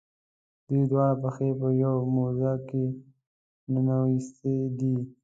دوی دواړه پښې په یوه موزه کې ننویستي دي.